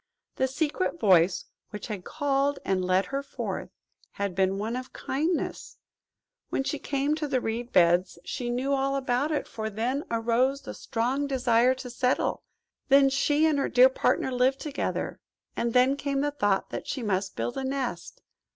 The secret voice which had called and led her forth, had been one of Kindness. When she came to the reed beds she knew all about it. For then arose the strong desire to settle. Then she and her dear partner lived together. And then came the thought that she must build a nest.